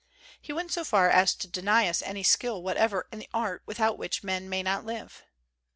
He went so far as to deny us any skill whatever in the art without which men may not live.